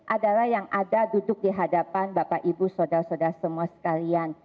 adalah yang ada duduk di hadapan bapak ibu saudara saudara semua sekalian